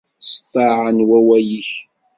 S ṭṭaɛa n wawal-ik.